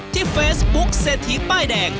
ที่เฟซบุ๊คเศรษฐีป้ายแดง